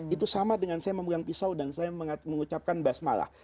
itu sama dengan saya memegang pisau dan saya mengucapkan basmalah